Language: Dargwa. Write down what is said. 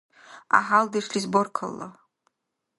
ГӀяхӀялдешлис баркалла!